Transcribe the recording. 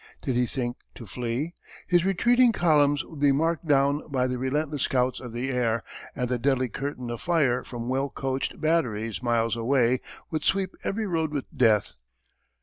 Did he think to flee? His retreating columns would be marked down by the relentless scouts in the air, and the deadly curtain of fire from well coached batteries miles away would sweep every road with death.